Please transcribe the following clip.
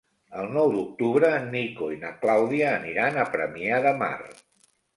El nou d'octubre en Nico i na Clàudia aniran a Premià de Mar.